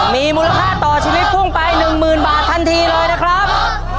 มีมูลค่าต่อชีวิตพุ่งไป๑๐๐๐บาททันทีเลยนะครับ